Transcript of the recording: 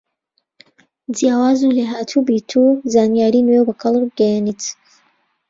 جیاواز و لێهاتووبیت و زانیاری نوێ و بە کەڵک بگەیەنیت